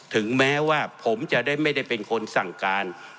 ถึงแม้ว่าผมจะได้ไม่ได้เป็นคนสั่งการ